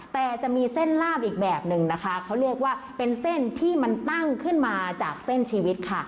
แต่จะมีเส้นลาบอีกแบบนึงนะคะเขาเรียกว่าเป็นเส้นที่มันตั้งขึ้นมาจากเส้นชีวิตค่ะ